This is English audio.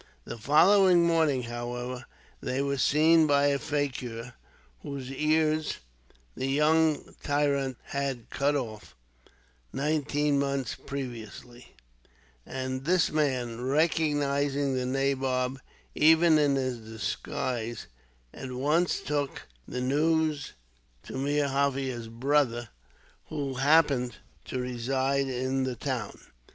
The following morning, however, they were seen by a fakir, whose ears the young tyrant had had cut off, thirteen months previously; and this man, recognizing the nabob even in his disguise, at once took the news to Meer Jaffier's brother, who happened to reside in the town.